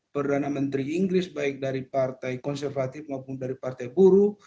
perdana menteri inggris baik dari partai konservatif maupun dari partai buruh